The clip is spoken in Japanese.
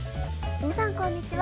みなさんこんにちは。